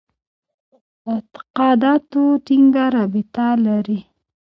اعتقاداتو ټینګه رابطه لري.